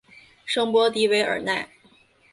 圣波迪韦尔奈。